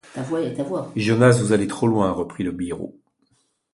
Jonas, vous allez trop loin, reprit le biró.